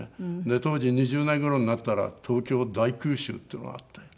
で当時２０年頃になったら東京大空襲っていうのがあって。